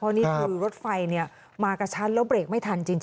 นี่คือรถไฟมากระชั้นแล้วเบรกไม่ทันจริง